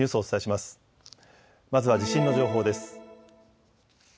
まずは地震の情報です。